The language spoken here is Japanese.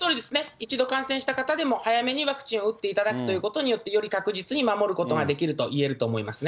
一度感染した方でも早めにワクチンを打っていただくということによって、より確実に守ることができるといえると思いますね。